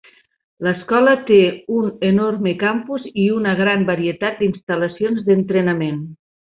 L'escola té un enorme campus i una gran varietat d'instal·lacions d'entrenament.